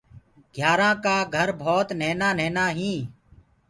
گھيآرآنٚ ڪآ گھر ڀوت نهينآ نهينآ هينٚ۔